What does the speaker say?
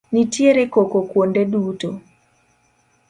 Nitiere koko kuonde duto.